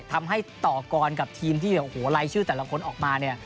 ทำให้ต่อกรกับทีมที่แบบโอ้โหลายชื่อแต่ละคนออกมาเนี่ย